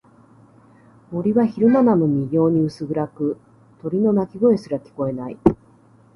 森は昼間なのに異様に薄暗く、鳥の鳴き声すら聞こえない。